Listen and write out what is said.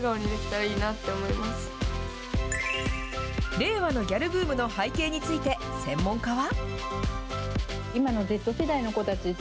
令和のギャルブームの背景について、専門家は。